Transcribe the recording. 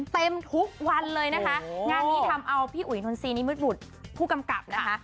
เต็มทุกวันเลยนะคะงานนี้ทำเอาพี่อุ๋ยนนซีนิมิตบุตรผู้กำกับนะคะ